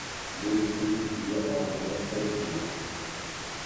L’œstrus dure environ sept jours.